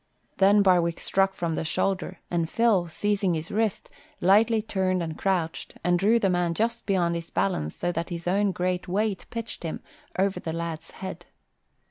Then Barwick struck from the shoulder and Phil, seizing his wrist, lightly turned and crouched and drew the man just beyond his balance so that his own great weight pitched him over the lad's head.